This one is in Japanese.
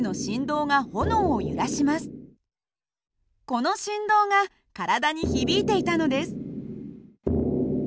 この振動が体に響いていたのです。